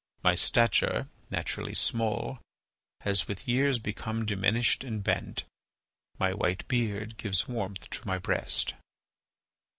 My stature, naturally small, has with years become diminished and bent. My white beard gives warmth to my breast."